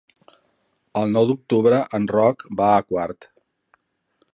El nou d'octubre en Roc va a Quart.